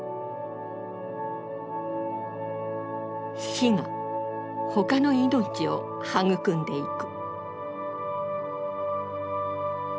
「死」が他の命を育んでいく。